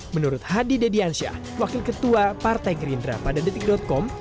menurut hadi dediansyah wakil ketua partai gerindra pada detik com